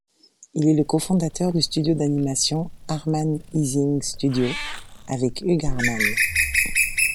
Il est le cofondateur du studio d'animation Harman-Ising Studio avec Hugh Harman.